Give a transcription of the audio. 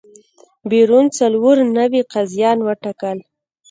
پېرون څلور نوي قاضیان وټاکل.